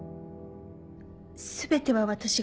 全ては私が。